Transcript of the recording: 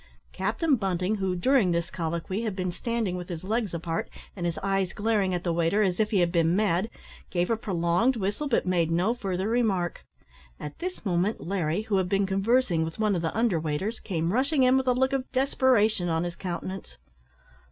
Captain Bunting, who, during this colloquy, had been standing with his legs apart, and his eyes glaring at the waiter, as if he had been mad, gave a prolonged whistle, but made no further remark. At this moment Larry, who had been conversing with one of the under waiters, came rushing in with a look of desperation on his countenance.